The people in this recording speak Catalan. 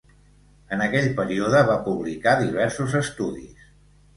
En aquell període va publicar diversos estudis.